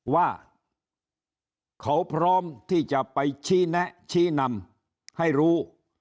ว่าเขาพร้อมที่จะไปชี้แนะชี้นำให้รู้